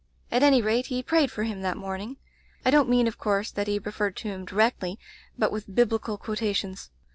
At any rate he prayed for him that morning. I don't mean^ of course, that he referred to him directly, but with Biblical quotations.